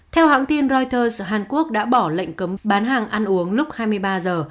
theo hãng tin reuters hàn quốc đã bỏ lệnh cấm bán hàng ăn uống lúc hai mươi ba giờ